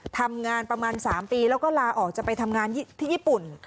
ทำงานประมาณ๓ปีแล้วก็ลาออกจะไปทำงานที่ญี่ปุ่น